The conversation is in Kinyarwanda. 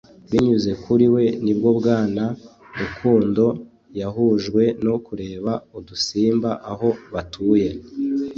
Binyuze kuri we ni bwo Bwana Rukundo yahujwe no kureba udusimba aho batuye